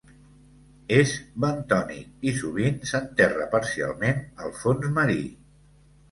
És bentònic i, sovint, s'enterra parcialment al fons marí.